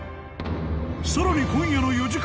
［さらに今夜の４時間